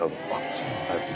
そうなんですね。